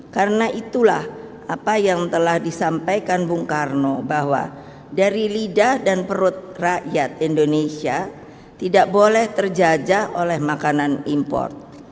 karena itulah apa yang telah disampaikan bung karno bahwa dari lidah dan perut rakyat indonesia tidak boleh terjajah oleh makanan impor